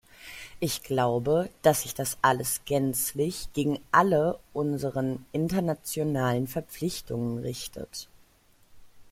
Ich glaube, dass sich das alles gänzlich gegen alle unseren internationalen Verpflichtungen richtet.